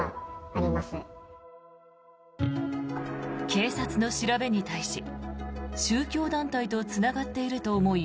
警察の調べに対し宗教団体とつながっていると思い